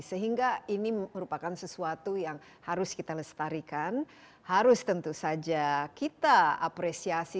sehingga ini merupakan sesuatu yang harus kita lestarikan harus tentu saja kita apresiasi